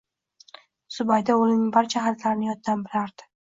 Zubayda o`g`lining barcha xatlarini yoddan bilardi